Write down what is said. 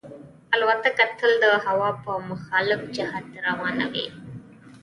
الوتکه تل د هوا په مخالف جهت روانه وي.